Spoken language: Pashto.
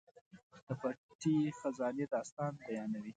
د پټې خزانې داستان بیانوي.